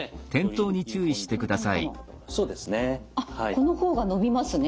この方が伸びますね